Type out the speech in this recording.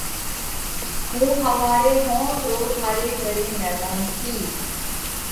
هُون ۿواري ۿونز رو ٿاري گھري ميمونَ ٿِيه۔